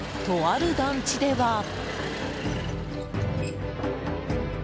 とある団地では。